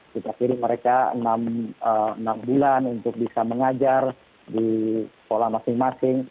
kita kirim mereka enam bulan untuk bisa mengajar di sekolah masing masing